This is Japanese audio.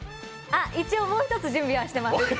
一応もう一つ準備はしています。